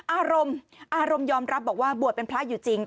อารมณ์อารมณ์ยอมรับบอกว่าบวชเป็นพระอยู่จริง